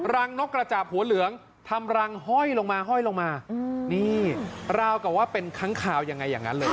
นกกระจาบหัวเหลืองทำรังห้อยลงมาห้อยลงมานี่ราวกับว่าเป็นค้างคาวยังไงอย่างนั้นเลย